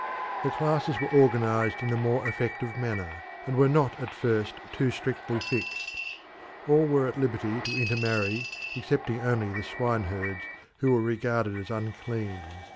The classes were organised in a more effective manner, and were not at first too strictly fixed. All were at liberty to intermarry, excepting only the swineherds, who were regarded as unclean.